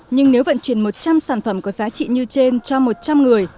nhưng nếu vận chuyển một trăm linh sản phẩm có giá trị như trên cho một trăm linh người